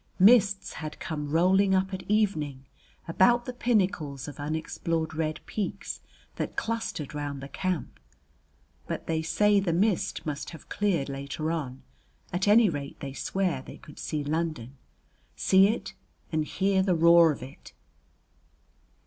Mists had come rolling up at evening about the pinnacles of unexplored red peaks that clustered round the camp. But they say the mist must have cleared later on; at any rate they swear they could see London, see it and hear the roar of it.